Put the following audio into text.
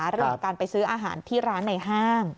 เรื่องของการไปซื้ออาหารที่ร้านในห้าง